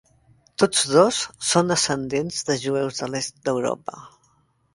Tots dos són descendents de jueus de l'est d'Europa.